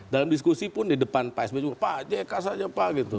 dalam diskusi pun di depan pak sby pak jk saja pak gitu